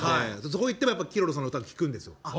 そこいってもＫｉｒｏｒｏさんの歌聴くんですよ。